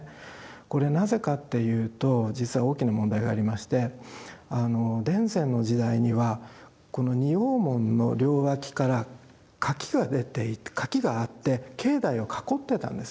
これなぜかっていうと実は大きな問題がありましてあの田善の時代にはこの仁王門の両脇から垣が出ていて垣があって境内を囲ってたんです。